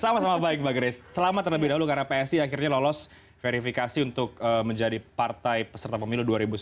sama sama baik mbak grace selamat terlebih dahulu karena psi akhirnya lolos verifikasi untuk menjadi partai peserta pemilu dua ribu sembilan belas